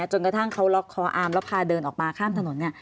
จนกระทั่งเขาล็อกคออามแล้วพาเดินออกมาข้ามถนนเนี่ย